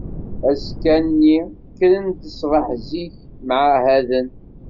Azekka-nni, kkren-d ṣṣbeḥ zik, mɛahaden.